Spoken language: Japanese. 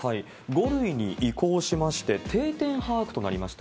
５類に移行しまして、定点把握となりました。